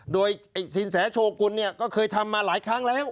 โดยสินแสโชกุลเนี่ยก็เคยทำมาหลายครั้งแล้ว